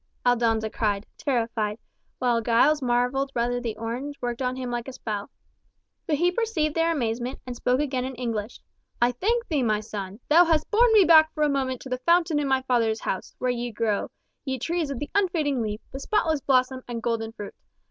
Aldonza cried, terrified, while Giles marvelled whether the orange worked on him like a spell. But he perceived their amazement, and spoke again in English, "I thank thee, my son! Thou hast borne me back for a moment to the fountain in my father's house, where ye grow, ye trees of the unfading leaf, the spotless blossom, and golden fruit!